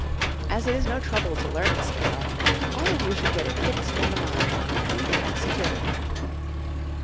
As it is no trouble to learn the scale, all of you should get it fixed in the mind quickly and securely.